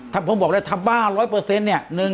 ถ้าผมบอกเลยถ้าบ้า๑๐๐เนี่ย